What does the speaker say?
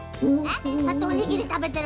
そうやっておにぎりたべてるの？